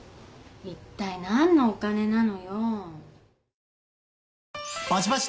一体何のお金なのよ？